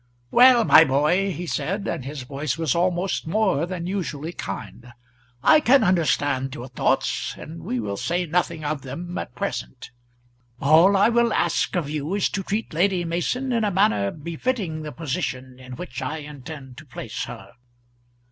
"Well, my boy," he said, and his voice was almost more than usually kind, "I can understand your thoughts, and we will say nothing of them at present. All I will ask of you is to treat Lady Mason in a manner befitting the position in which I intend to place her."